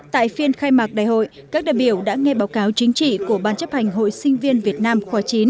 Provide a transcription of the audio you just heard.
tại phiên khai mạc đại hội các đại biểu đã nghe báo cáo chính trị của ban chấp hành hội sinh viên việt nam khóa chín